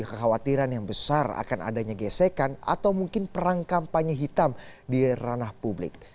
kekhawatiran yang besar akan adanya gesekan atau mungkin perang kampanye hitam di ranah publik